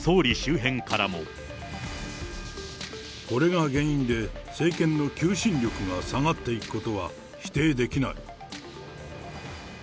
これが原因で、政権の求心力が下がっていくことは否定できない。